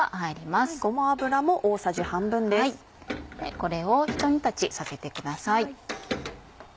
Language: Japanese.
これをひと煮立ちさせてください。